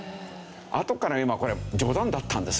あとから思えばこれ冗談だったんですけど。